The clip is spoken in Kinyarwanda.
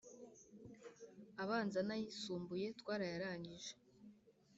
abanza n’ayisumbuye, twarayarangije